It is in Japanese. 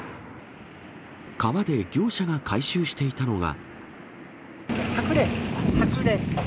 川で業者が回収していたのが。